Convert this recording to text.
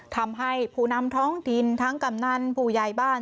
ทำให้ผู้นำท้องถิ่นทั้งกำนันผู้ใหญ่บ้าน